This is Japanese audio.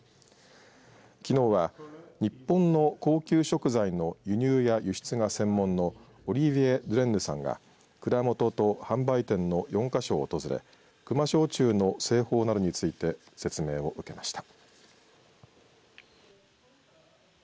きのうは日本の高級食材の輸入や輸出が専門のオリヴィエ・ドゥレンヌさんが蔵元と販売店の４か所を訪れ球磨焼酎の製法などについて説明を受けました。